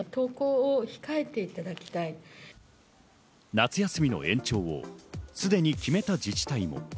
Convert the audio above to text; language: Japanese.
夏休みの延長をすでに決めた自治体も。